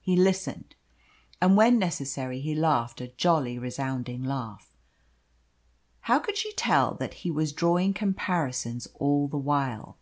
He listened, and when necessary he laughed a jolly resounding laugh. How could she tell that he was drawing comparisons all the while?